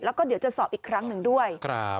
แล้วก็เดี๋ยวจะสอบอีกครั้งหนึ่งด้วย